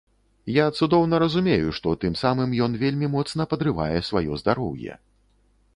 Я цудоўна разумею, што тым самым ён вельмі моцна падрывае сваё здароўе.